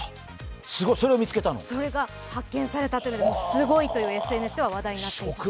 それが発見されたということですごいというＳＮＳでは話題になっています。